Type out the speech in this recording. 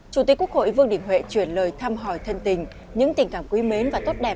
chủ tịch quốc hội vương đình huệ chuyển lời thăm hỏi thân tình những tình cảm quý mến và tốt đẹp